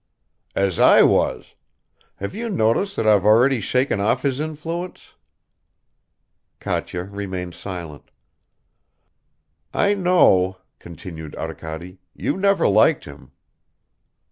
"As I was! Have you noticed that I've already shaken off his influence?" Katya remained silent. "I know," continued Arkady, "you never liked him."